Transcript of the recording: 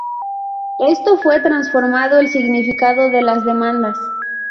Esto fue transformando el significado de las demandas.